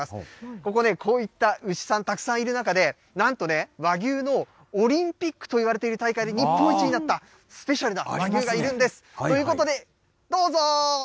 ここね、こういった牛さん、たくさんいる中で、なんとね、和牛のオリンピックといわれている大会で日本一になった、スペシャルな牛がいるんです。ということで、どうぞ。